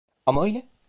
Ama öyle.